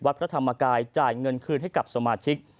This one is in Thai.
พระธรรมกายจ่ายเงินคืนให้กับสมาชิก